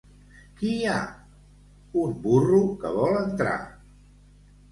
—Qui hi ha? —Un burro que vol entrar.